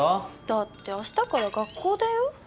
だって明日から学校だよ？